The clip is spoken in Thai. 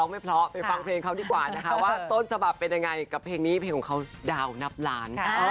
ไม่เพราะไปฟังเพลงเขาดีกว่านะคะว่าต้นฉบับเป็นยังไงกับเพลงนี้เพลงของเขาดาวนับล้าน